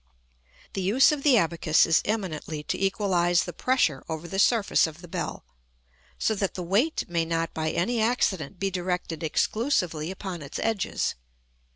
_ The use of the abacus is eminently to equalise the pressure over the surface of the bell, so that the weight may not by any accident be directed exclusively upon its edges.